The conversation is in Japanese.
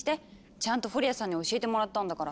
ちゃんとフォリアさんに教えてもらったんだから！